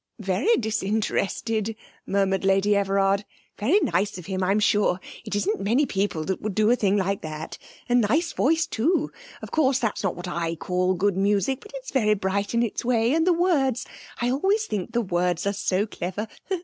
'Very disinterested,' murmured Lady Everard. 'Very nice of him, I'm sure. It isn't many people that would do a thing like that. A nice voice, too. Of course, this is not what I call good music, but it's very bright in its way, and the words I always think these words are so clever.